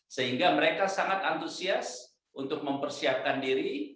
sehingga mereka sangat antusias untuk mempersiapkan diri